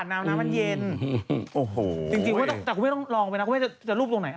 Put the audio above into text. นักเป็นสาวบริสุทธิ์